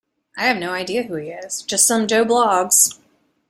I've no idea who he is: just some Joe Bloggs